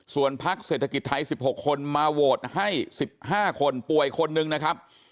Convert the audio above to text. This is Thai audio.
ส่วนพักเศรษฐกิจไทย๑๖คนมาโหวตให้๑๕คนป่วยคนหนึ่งนะครับ